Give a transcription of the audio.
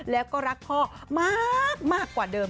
แล้วก็รักพ่อมากกว่าเดิม